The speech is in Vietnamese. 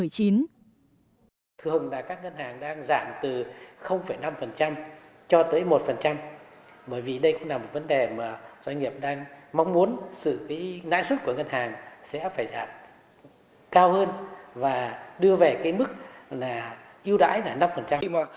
sẽ phải giảm cao hơn và đưa về cái mức là ưu đãi là năm